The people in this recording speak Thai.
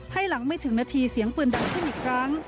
ให้หลังไม่ถึงนาทีเสียงปืนดังขึ้นอีกครั้ง